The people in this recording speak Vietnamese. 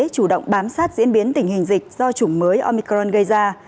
chủ động bám sát diễn biến tình hình dịch do chủng mới omicron gây ra